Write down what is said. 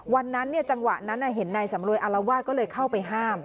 วันนั้นจังหวะนั้นเห็นนายสำรวยอารวาสก็เลยเข้าไปห้าม